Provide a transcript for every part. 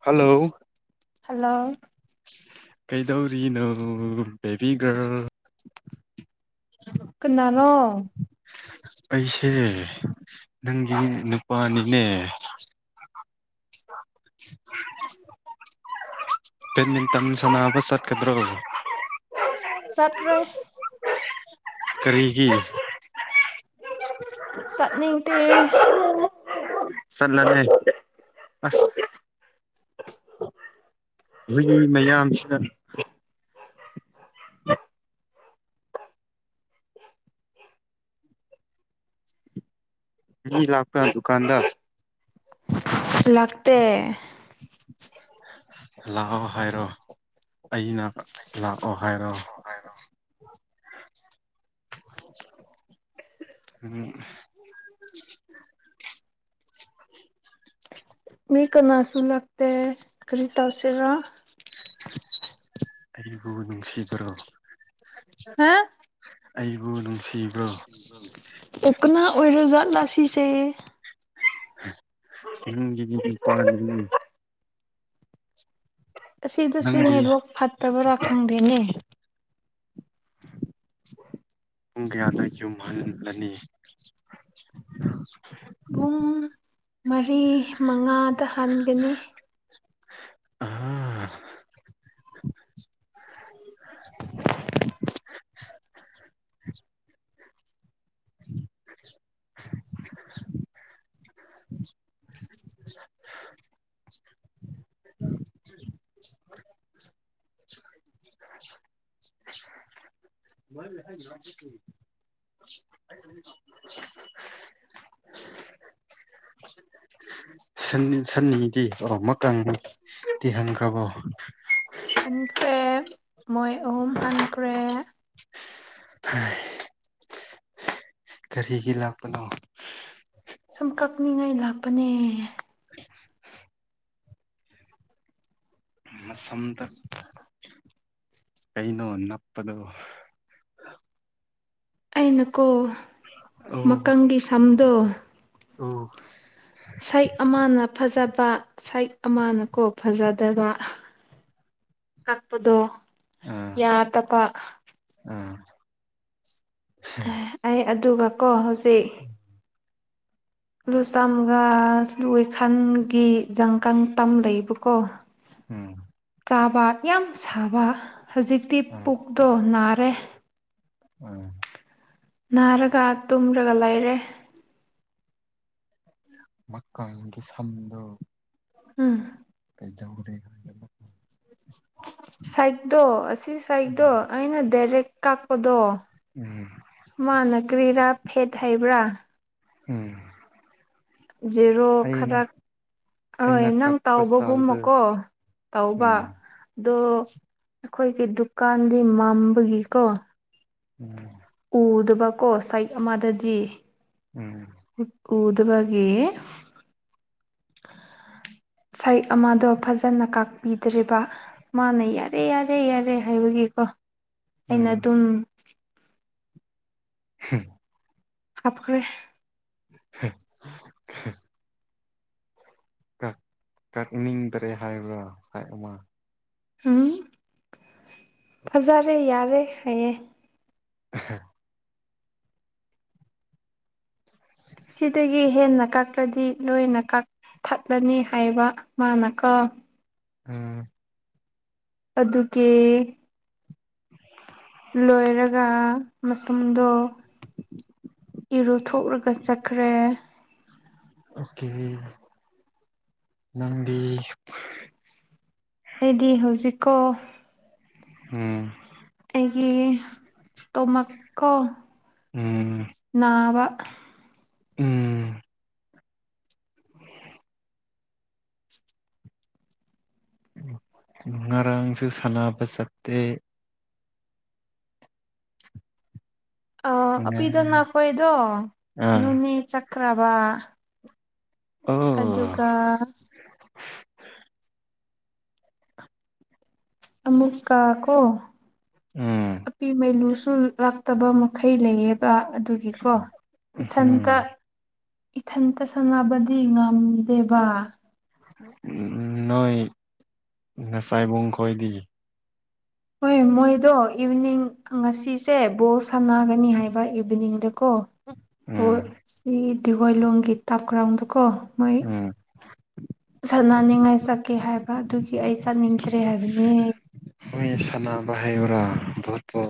Hello hello ꯀꯩꯗꯧꯔꯤꯅꯣ baby girl ꯀꯅꯥꯅꯣ ꯑꯩꯁꯦ ꯅꯪꯒꯤ ꯅꯨꯄꯥꯅꯤꯅꯦ꯫ [inaudible] ꯀꯩꯃꯤꯟꯇꯟ ꯁꯅꯕ ꯆꯠꯀꯗ꯭ꯔꯣ ꯆꯠꯇ꯭ꯔꯦ ꯀꯔꯤꯒꯤ ꯆꯠꯅꯤꯡꯇꯦ꯫ ꯆꯠꯂꯔꯦ ꯑꯁ ꯍꯨꯏ ꯃꯌꯥꯝꯁꯤꯅ ꯃꯤ ꯂꯥꯛꯄ꯭ꯔꯥ ꯗꯨꯀꯥꯟꯗ ꯂꯥꯛꯇꯦ꯫ ꯂꯥꯛꯑꯣ ꯍꯥꯏꯔꯣ ꯑꯩꯅ ꯂꯥꯛꯑꯣ ꯍꯥꯏꯔꯣ꯫ ꯍꯥꯏꯔꯣ ꯎꯝ ꯃꯤ ꯀꯅꯥꯁꯨ ꯂꯛꯇꯦ ꯀꯔꯤ ꯇꯧꯁꯤꯔ ꯑꯩꯕꯨ ꯅꯨꯡꯁꯤꯕ꯭ꯔꯣ ꯍꯥ ꯑꯩꯕꯨ ꯅꯨꯡꯁꯤ ꯑꯣ ꯀꯅꯥ ꯑꯣꯏꯔꯖꯠꯂꯥ ꯁꯤꯁꯦ [unintelligible] ꯑꯁꯤꯗꯁꯨ ꯅꯪꯗꯤ ꯅꯦꯠꯋꯥꯛ ꯐꯠꯇꯕ꯭ꯔꯥ ꯈꯪꯗꯦꯅꯦ ꯄꯨꯡ ꯀꯌꯥꯗ ꯌꯨꯝꯍꯜꯂꯅꯤ ꯄꯨꯡ ꯃꯔꯤ ꯃꯉꯥꯗ ꯍꯟꯒꯅꯤ ꯑꯥ [unintelligible] [unintelligible] [unintelligible] ꯁꯟ ꯁꯟꯅꯤꯗꯤ ꯑꯣ ꯃꯀꯪꯗꯤ ꯍꯟꯈꯔ꯭ꯕꯣ ꯍꯟꯈ꯭ꯔꯦ ꯃꯣꯏ ꯑꯍꯨꯝ ꯍꯟꯈ꯭ꯔꯦ ꯍꯥꯏ ꯀꯔꯤꯒꯤ ꯂꯥꯛꯄꯅꯣ ꯁꯨꯝ ꯀꯛꯅꯤꯡꯉꯥꯏ ꯂꯥꯛꯄꯅꯦ [unintelligible] ꯃꯥꯁꯝꯗ ꯀꯩꯅꯣ ꯅꯞꯄꯗꯣ ꯑꯩꯅꯀꯣ ꯃꯀꯪꯒꯤ ꯁꯝꯗꯣ ꯑꯣ ꯁꯥꯏꯛ ꯑꯃꯅ ꯐꯖꯕ ꯁꯛꯏ ꯑꯃꯅ ꯀꯣ ꯐꯖꯗꯕ ꯀꯛꯄꯗꯣ ꯑꯥ ꯌꯥꯗꯕ ꯑꯥ ꯑꯩ ꯑꯗꯨꯒꯀꯣ ꯍꯧꯖꯤꯛ ꯂꯨ ꯆꯝꯒ ꯂꯨꯏꯈꯜꯒꯤ ꯖꯪꯀꯟ ꯇꯝ ꯂꯩꯕꯀꯣ ꯎꯝ ꯆꯥꯕ ꯌꯥꯝ ꯁꯥꯕ ꯍꯧꯖꯤꯛꯇꯤ ꯄꯨꯛꯇꯣ ꯅꯥꯔꯦ ꯎꯝ ꯅꯥꯔꯒ ꯇꯨꯝꯔꯒ ꯂꯩꯔꯦ ꯃꯀꯪꯒꯤ ꯁꯝꯗꯣ ꯎꯝ ꯀꯩꯗꯧꯔꯦ ꯍꯥꯏꯕꯅꯣ ꯁꯥꯏꯛꯇꯣ ꯑꯁꯤ ꯁꯥꯏꯛꯇꯣ ꯎꯝ ꯑꯩꯅ ꯗꯥꯏꯔꯦꯛ ꯀꯥꯛꯄꯗꯣ ꯎꯝ ꯃꯥꯅ ꯀꯔꯤꯔꯥ ꯐꯦꯠ ꯍꯩꯕ꯭ꯔꯥ ꯎꯝ ꯖꯦꯔꯣ ꯑꯩꯅ ꯈꯔꯛ ꯍꯣꯏ ꯑꯩꯅ ꯅꯪ ꯀꯛꯄ ꯇꯥꯜꯗ ꯇꯧꯕꯒꯨꯝꯃꯀꯣ ꯇꯧꯕ ꯎꯝ ꯑꯗꯣ ꯑꯩꯈꯣꯏꯒꯤ ꯗꯨꯀꯥꯟꯗꯤ ꯃꯝꯕꯒꯤꯀꯣ ꯎꯝ ꯎꯗꯕꯀꯣ ꯁꯥꯏꯠ ꯑꯃꯗꯗꯤ ꯎꯝ ꯎꯗꯕꯒꯤ [unintelligible] ꯁꯛꯏ ꯑꯃꯗꯣ ꯐꯖꯅ ꯀꯥꯛꯄꯤꯗ꯭ꯔꯤꯕ ꯃꯥꯅ ꯌꯥꯔꯦ ꯌꯥꯔꯦ ꯌꯥꯔꯦ ꯍꯥꯏꯕꯒꯤꯀꯣ ꯑꯩꯅ ꯎꯝ ꯑꯗꯨꯝ ꯍꯝ ꯍꯥꯞꯈ꯭ꯔꯦ ꯍ ꯑꯍ ꯀꯛ ꯀꯛꯅꯤꯡꯗ꯭ꯔꯦ ꯍꯥꯏꯕ ꯁꯥꯏ ꯑꯃ ꯎꯝ ꯐꯖꯔꯦ ꯌꯥꯔꯦ ꯍꯥꯏꯌꯦ ꯑꯍ ꯁꯤꯗꯒꯤ ꯍꯦꯟꯅ ꯀꯛꯂꯗꯤ ꯂꯣꯏꯅ ꯀꯛꯊꯠꯂꯅꯤ ꯍꯥꯏꯕ ꯃꯥꯅ ꯀꯣ ꯎꯝ ꯑꯗꯨꯒꯤ [inaudible] ꯂꯣꯏꯔꯒ ꯃꯁꯝꯗꯣ ꯏꯔꯨꯊꯣꯛꯔꯒ ꯆꯠꯈ꯭ꯔꯦ ꯑꯣꯀꯦ ꯅꯪꯗꯤ ꯑꯩꯗꯤ ꯍꯧꯖꯤꯛꯀꯣ ꯎꯝ ꯑꯩꯒꯤ ꯢꯁꯇꯣꯃꯛꯀꯣ ꯎꯝ ꯅꯥꯕ ꯎꯝ [inaudible] ꯉꯔꯥꯡꯁꯨ ꯁꯥꯟꯅꯕ ꯆꯠꯇꯦ ꯑ ꯉꯥ ꯑꯄꯤꯗꯣ ꯅꯈꯣꯏꯗꯣ ꯑꯥ ꯅꯣꯅꯦ ꯆꯈ꯭ꯔꯕ ꯑꯣ ꯑꯗꯨꯒ ꯑꯃꯨꯛꯀ ꯀꯣ ꯎꯝ ꯑꯄꯤ ꯃꯥꯏꯂꯨꯁꯨ ꯂꯥꯛ ꯇꯕ ꯃꯈꯩ ꯂꯩꯌꯦꯕ ꯑꯗꯨꯒꯤꯀꯣ ꯏꯊꯟꯇ ꯎꯝ ꯏꯊꯟꯇ ꯁꯥꯟꯅꯕꯗꯤ ꯉꯝꯗꯦꯕ ꯎꯝ ꯅꯣꯏ ꯅꯁꯥꯏꯕꯨꯡ ꯈꯣꯢꯗꯤ ꯍꯣꯏ ꯃꯣꯏꯗꯣ ꯏꯚꯤꯅꯤꯡ ꯉꯁꯤꯁꯦ ꯕꯣꯜ ꯁꯥꯟꯅꯒꯅꯤ ꯍꯥꯏꯕ ꯏꯚꯤꯅꯤꯡꯗꯀꯣ ꯑꯣ ꯎꯝ ꯁꯤ ꯗꯤꯋꯥꯏꯂꯣꯡꯒꯤ ꯇꯥꯞ ꯀ꯭ꯔꯥꯎꯗꯣꯀꯣ ꯃꯣꯏ ꯎꯝ ꯁꯥꯟꯅꯅꯤꯡꯉꯥꯏ ꯆꯠꯀꯦ ꯍꯥꯏꯕ ꯑꯗꯨꯒꯤ ꯑꯩ ꯆꯠꯅꯤꯡꯗ꯭ꯔꯦ ꯍꯥꯏꯕꯅꯦ ꯍꯣꯏ ꯁꯥꯟꯅꯕ ꯍꯥꯏꯕ꯭ꯔꯥ ꯚꯣꯠꯄꯣ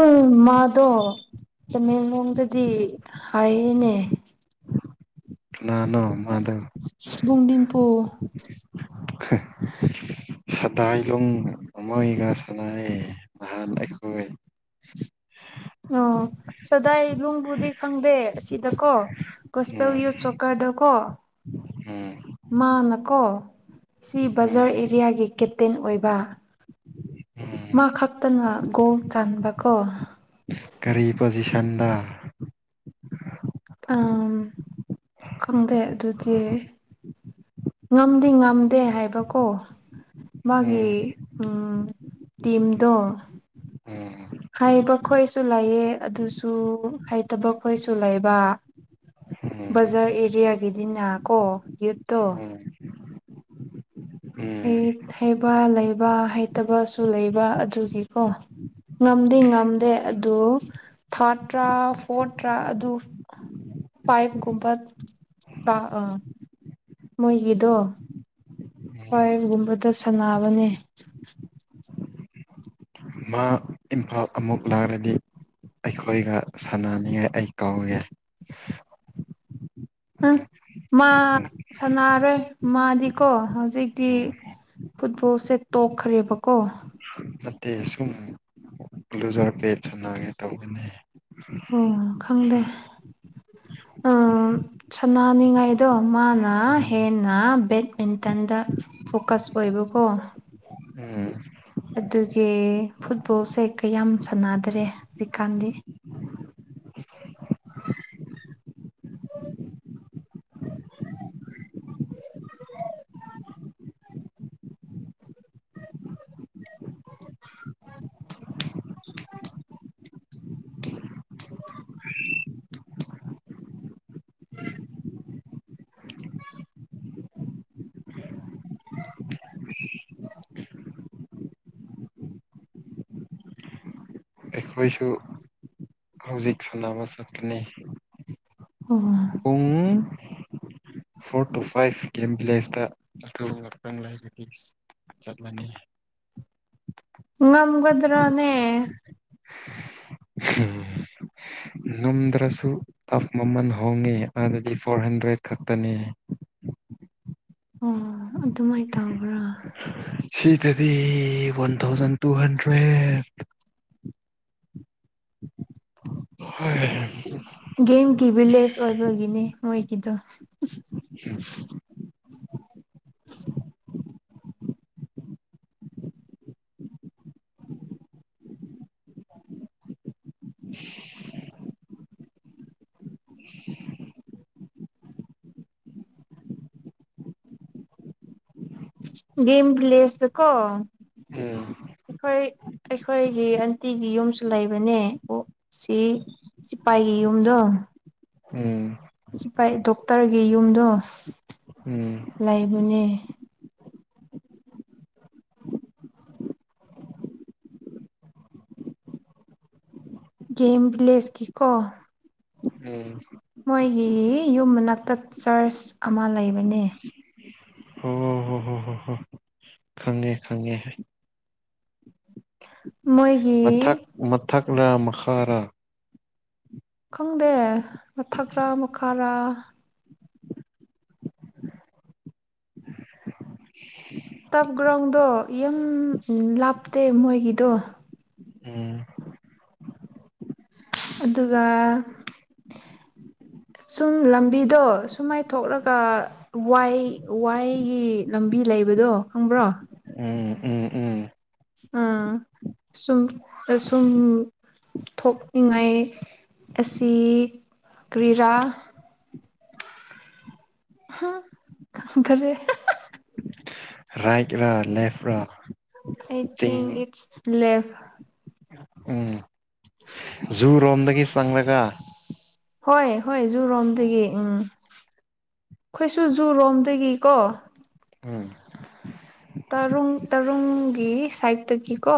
ꯎꯝ ꯃꯥꯗꯣ ꯇꯃꯦꯡꯂꯣꯡꯗꯗꯤ ꯍꯥꯏꯌꯦꯅꯦ ꯀꯅꯥꯅꯣ ꯃꯥꯗꯣ ꯂꯣꯡꯗꯤꯟꯄꯨ ꯍꯥ ꯁꯇꯥꯏꯂꯨꯡ ꯃꯣꯢꯒ ꯁꯅꯩꯌꯦ ꯅꯍꯥꯟ ꯑꯩꯈꯣꯏ ꯑꯣ ꯁꯗꯥꯏ ꯂꯨꯡꯕꯨꯗꯤ ꯈꯪꯗꯦ ꯑꯁꯤꯗꯀꯣ ꯀꯣꯁꯄꯦꯜ ꯎꯝ ꯌꯨ ꯆꯣꯀꯔꯗꯣ ꯀꯣ ꯎꯝ ꯃꯥꯅꯀꯣ ꯁꯤ ꯎꯝ ꯕꯖꯥꯔ ꯑꯦꯔꯤꯌꯥꯒꯤ ꯀꯦꯞꯇꯦꯟ ꯑꯣꯏꯕ ꯎꯝ ꯃꯥ ꯈꯛꯇꯅ ꯒꯣꯜ ꯆꯟꯕ ꯀꯣ ꯀꯔꯤ ꯄꯣꯖꯤꯁꯟꯗ ꯑꯝ ꯈꯪꯗꯦ ꯑꯗꯨꯗꯤ ꯉꯝꯗꯤ ꯉꯝꯗꯦ ꯍꯥꯏꯕꯀꯣ ꯃꯥꯒꯤ ꯎꯝ ꯎꯝ ꯇꯤꯝꯗꯣ ꯑꯝ ꯍꯥꯏꯕ ꯈꯣꯏꯁꯨ ꯂꯩꯌꯦ ꯑꯗꯨꯁꯨ ꯍꯩꯇꯕ ꯈꯣꯏꯁꯨ ꯂꯩꯕ ꯎꯝ ꯕꯖꯥꯔ ꯑꯦꯔꯤꯌꯥꯒꯤꯗꯤꯅꯥ ꯀꯣ ꯌꯨꯠꯇꯣ ꯎꯝ ꯎꯝ ꯍꯩ ꯍꯩꯕ ꯂꯩꯕ ꯍꯩꯇꯕꯁꯨ ꯂꯩꯕ ꯑꯗꯨꯒꯤꯀꯣ ꯉꯝꯗꯤ ꯉꯝꯗꯦ ꯑꯗꯨ ꯊꯥꯔꯠꯇ꯭ꯔꯥ ꯐꯣꯔꯠꯇ꯭ꯔꯥ ꯑꯗꯨ ꯐꯥꯏꯚ ꯀꯨꯝꯕ ꯀꯥ ꯑꯥ ꯃꯣꯏꯒꯤꯗꯣ ꯎꯝ ꯄꯥꯏꯕꯒꯨꯝꯕꯗ ꯁꯥꯟꯅꯕꯅꯦ ꯃꯥ ꯏꯝꯐꯥꯜ ꯑꯃꯨꯛ ꯂꯥꯛꯔꯗꯤ ꯑꯩꯈꯣꯏꯒ ꯁꯥꯟꯅꯅꯤꯉꯥꯏ ꯑꯩ ꯀꯧꯒꯦ ꯎꯝ ꯃꯥ ꯎꯝ ꯁꯥꯟꯅꯥꯔꯣꯏ ꯃꯥꯗꯤꯀꯣ ꯍꯧꯖꯤꯛꯇꯤ ꯐꯨꯠꯕꯣꯜꯁꯦ ꯇꯣꯛꯈ꯭ꯔꯦꯕꯀꯣ ꯅꯠꯇꯦ ꯁꯨꯝ ꯂꯨꯖ꯭ꯔ ꯄꯦꯠ ꯁꯅꯥꯒꯦ ꯇꯧꯕꯅꯦ ꯎꯝ ꯈꯪꯗꯦ [inaudible] ꯁꯅꯥꯅꯤꯡꯉꯥꯏꯗꯣ ꯃꯥꯅ ꯍꯦꯟꯅ ꯕꯦꯠꯃꯤꯟꯇꯟꯗ ꯐꯣꯀꯁ ꯑꯣꯏꯕꯀꯣ ꯎꯝ ꯑꯗꯨꯒꯤ ꯐꯨꯠꯕꯣꯜꯁꯦ ꯀꯌꯥꯝ ꯁꯥꯟꯅꯗꯔꯦ ꯍꯧꯖꯤꯛꯀꯥꯟꯗꯤ ꯎꯝ [unintelligible] [inaudible] [inaudible] ꯑꯩꯈꯣꯏꯁꯨ ꯍꯧꯖꯤꯛ ꯁꯥꯟꯅꯕ ꯆꯠꯀꯅꯤ ꯍꯣꯏ [unintelligible] ꯎꯨꯡ ꯐꯣꯔ ꯇꯨ ꯐꯥꯏꯚ ꯒ‌ꯦꯝ ꯚꯤꯂꯦꯖꯇ ꯑꯗꯨ ꯉꯥꯛꯇꯪ ꯂꯩꯔꯗꯤ ꯆꯠꯂꯅꯤ ꯉꯝꯒꯗ꯭ꯔꯥꯅꯦ ꯎꯝ [unintelligible] ꯉꯝꯗ꯭ꯔꯥꯁꯨ ꯇꯞ ꯃꯃꯜ ꯍꯣꯡꯉꯦ ꯑꯗꯨꯗꯤ ꯐꯣꯔ ꯍꯟꯗ꯭ꯔꯦꯠ ꯈꯛꯇꯅ‌ꯦ ꯑꯣ ꯑꯗꯨꯃꯥꯏꯅ ꯇꯧꯕ꯭ꯔꯥ ꯁꯤꯗꯗꯤ ꯋꯥꯟ ꯊꯥꯎꯖꯟ ꯇꯨ ꯍꯟꯗ꯭ꯔꯦꯠ ꯍ ꯍ ꯍ [unintelligible] ꯒꯦꯝꯒꯤ ꯚꯤꯂꯦꯖ ꯑꯣꯏꯕꯒꯤꯅꯦ ꯃꯣꯏꯒꯤꯗꯣ ꯒꯦꯝ ꯕꯤꯂꯦꯁꯇꯥ ꯀꫭ ꯎꯝ ꯑꯩꯈꯣꯏ ꯑꯩꯈꯣꯏꯒꯤ ꯑꯟꯇꯤꯒꯤ ꯌꯨꯝꯁꯨ ꯂꯩꯕꯅꯦ ꯑꯣ ꯁꯤ ꯁꯤꯐꯥꯏꯒꯤ ꯌꯨꯝꯗꯣ ꯎꯝ ꯁꯤꯐꯥꯏ ꯗꯣꯛꯇꯔꯒꯤ ꯌꯨꯝꯗꯣ ꯎꯝ ꯂꯩꯕꯅꯦ ꯒꯦꯝ ꯕꯤ꯭ꯂꯦꯁꯀꯤ ꯀꯣ ꯎꯝ ꯃꯣꯏꯒꯤ ꯌꯨꯝꯃꯅꯥꯛꯇ ꯆꯔꯆ ꯑꯃ ꯂꯩꯕꯅꯦ ꯍꯣ ꯍꯣ ꯍꯣ ꯍꯣ ꯍꯣ ꯈꯪꯉꯦ ꯈꯪꯉꯦ ꯃꯣꯏ ꯃꯊꯛ ꯃꯊꯛꯂꯥ ꯃꯈꯥꯔꯥ ꯈꯪꯗꯦ ꯃꯊꯛꯔꯥ ꯃꯈꯥꯔꯥ ꯇꯞ ꯒ꯭ꯔꯥꯎꯟꯗꯣ ꯌꯥꯝ ꯂꯥꯞꯇꯦ ꯃꯣꯏꯒꯤꯗꯣ ꯎꯝ ꯑꯗꯨꯒ ꯎꯝ [inaudible] ꯁꯨꯝ ꯂꯝꯕꯤꯗꯣ ꯁꯨꯃꯥꯏ ꯊꯣꯛꯂꯒ ꯋꯥꯏ ꯋꯥꯏꯒꯤ ꯂꯝꯕꯤ ꯂꯩꯕꯗꯣ ꯈꯪꯕ꯭ꯔꯣ ꯎꯝ ꯎꯝ ꯎꯝ ꯑꯥ ꯁꯨꯝ ꯑꯁꯨꯝ ꯊꯣꯛꯅꯤꯡꯉꯥꯏ ꯑꯁꯤ ꯀ꯭ꯔꯤꯔꯥ ꯍꯨꯡ ꯈꯪꯗ꯭ꯔꯦ ꯔꯥꯏꯠꯔꯥ ꯂꯦꯐꯇꯔꯥ ꯑꯥꯏ ꯊꯤꯡ ꯏꯠꯁ ꯂꯦꯞꯐ ꯎꯝ ꯖꯨꯨꯔꯣꯝꯗꯒꯤ ꯆꯪꯂꯒ ꯍꯣꯏ ꯍꯣꯏ ꯖꯨꯔꯣꯝꯗꯒꯤ ꯎꯝ ꯑꯩꯈꯣꯏꯁꯨ ꯖꯨꯔꯣꯝꯗꯒꯤꯀꯣ ꯎꯝ ꯇꯔꯨꯡ ꯇꯔꯨꯡꯒꯤ ꯁꯥꯏꯠꯇꯒꯤꯀꯣ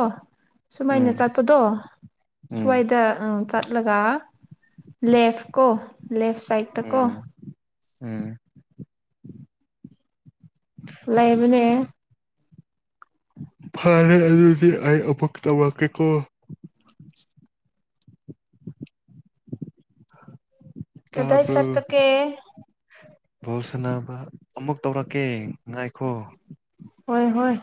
ꯁꯨꯃꯥꯏꯅ ꯎꯝ ꯆꯠꯄꯗꯣ ꯎꯝ ꯁ꯭ꯋꯥꯏꯗ ꯑꯥ ꯆꯠꯂꯒ ꯂꯦꯐ ꯀꯣ ꯂꯦꯐ ꯁꯥꯏꯠꯇꯀꯣ ꯎꯝ ꯎꯝ ꯂꯩꯕꯅꯦ ꯐꯔꯦ ꯑꯗꯨꯗꯤ ꯑꯩ ꯑꯃꯨꯛ ꯇꯧꯔꯛꯀꯦꯀꯣ ꯀꯗꯥꯥꯏ ꯇꯥꯕ꯭ꯔꯣ ꯆꯠꯇ ꯀꯦ ꯕꯣꯜ ꯁꯥꯟꯅꯕ ꯑꯃꯨꯛ ꯇꯧꯔꯛꯀꯦ ꯉꯥꯏꯈꯣ ꯍꯣꯏ ꯍꯣꯏ